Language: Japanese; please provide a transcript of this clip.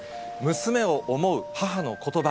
娘を思う母のことば。